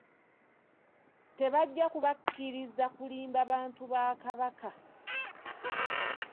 Tebajja kubakkiriza kulimba bantu ba Kabaka